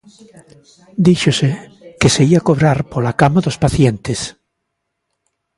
Díxose que se ía cobrar pola cama dos pacientes.